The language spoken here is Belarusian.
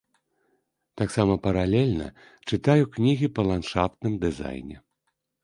Таксама паралельна чытаю кнігі па ландшафтным дызайне.